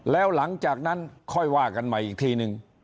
แล้วหลังจากนั้นค่อยว่ากันใหม่อีกทีนึง